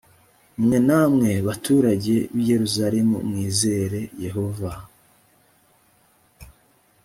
mwe namwe baturage b’i yerusalemu mwizere yehova